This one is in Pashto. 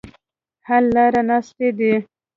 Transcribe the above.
حل لاره ناستې دي.